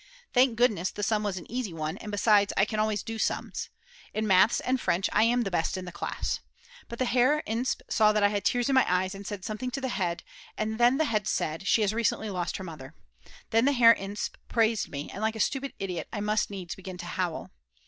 Thank goodness, the sum was an easy one, and besides I can always do sums; in Maths and French I am the best in the class. But the Herr Insp. saw that I had tears in my eyes and said something to the head; then the head said: "She has recently lost her mother." Then the Herr Insp. praised me, and like a stupid idiot I must needs begin to howl.